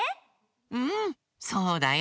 うんそうだよ。